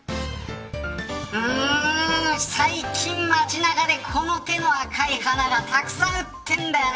最近街中でこの手の赤い花がたくさん売ってるんだよね。